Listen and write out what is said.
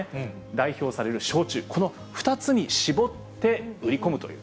代表される焼酎、この２つに絞って、売り込むという。